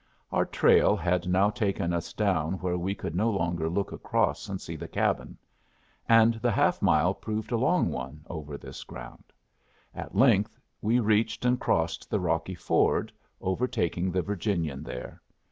Our trail had now taken us down where we could no longer look across and see the cabin. And the half mile proved a long one over this ground. At length we reached and crossed the rocky ford, overtaking the Virginian there.